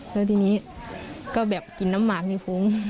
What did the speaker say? แล้วทีนี้ก็แบบกินน้ำหมากในฟุ้ง